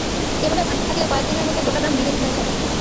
এভাবে ভাঙতে থাকলে কয়েক দিনের মধ্যে গোটা গ্রাম বিলীন হয়ে যাবে।